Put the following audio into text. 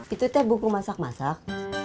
itu teh buku masak masak